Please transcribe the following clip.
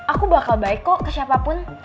aku bakal baik kok ke siapapun